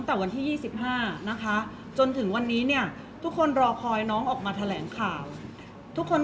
เพราะว่าสิ่งเหล่านี้มันเป็นสิ่งที่ไม่มีพยาน